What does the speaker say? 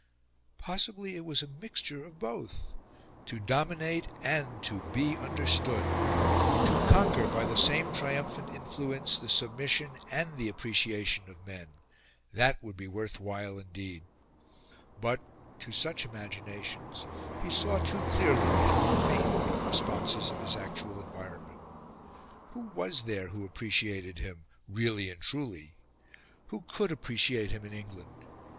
Possibly, it was a mixture of both. To dominate and to be understood! To conquer, by the same triumphant influence, the submission and the appreciation of men that would be worth while indeed! But, to such imaginations, he saw too clearly how faint were the responses of his actual environment. Who was there who appreciated him, really and truly? Who COULD appreciate him in England?